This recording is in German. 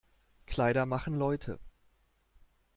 Kleider machen Leute.